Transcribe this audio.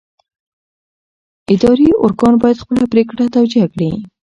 اداري ارګان باید خپله پرېکړه توجیه کړي.